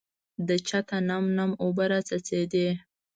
د چته نم نم اوبه راڅڅېدې .